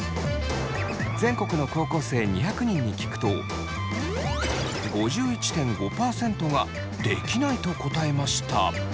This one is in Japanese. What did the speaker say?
全国の高校生２００人に聞くと５１．５％が「できない」と答えました。